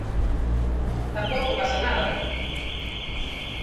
Tampouco pasa nada.